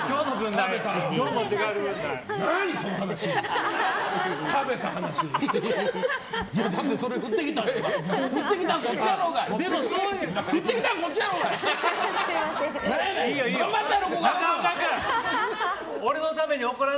だって、それ振ってきたから。